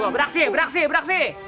beraksi beraksi beraksi